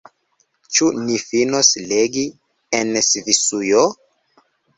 Ĉu ni finos legi „En Svisujo“?